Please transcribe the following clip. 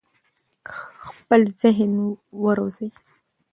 خپل ذهن وروزی.